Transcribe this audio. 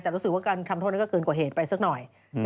แต่รู้สึกว่าการทำโทษนั้นก็เกินกว่าเหตุไปสักหน่อย